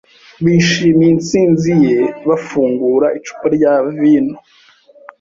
Bishimiye intsinzi ye bafungura icupa rya vino.